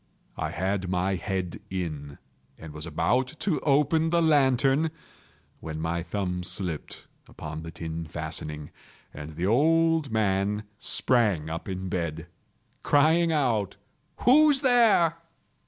I had my head in, and was about to open the lantern, when my thumb slipped upon the tin fastening, and the old man sprang up in bed, crying out—"Who's there?"